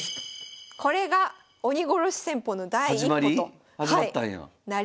これが鬼殺し戦法の第一歩と始まり？